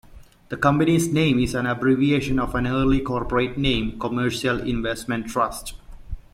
The company's name is an abbreviation of an early corporate name, Commercial Investment Trust.